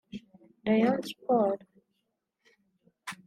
Rayon Sports